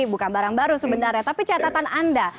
bukan barang baru sebenarnya tapi catatan anda